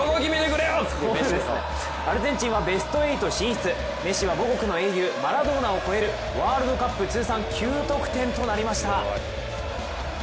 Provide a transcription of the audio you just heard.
アルゼンチンはベスト８進出メッシは母国の英雄マラドーナを超えるワールドカップ通算９得点となりました。